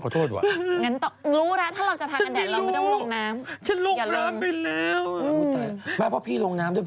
ต้องกันด้วย